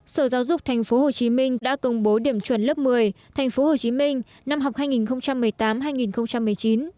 sở giáo dục tp hcm đã công bố điểm chuẩn lớp một mươi tp hcm năm học hai nghìn một mươi tám hai nghìn một mươi chín